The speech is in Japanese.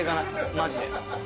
マジで。